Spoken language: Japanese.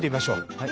はい。